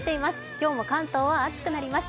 今日も関東は暑くなります。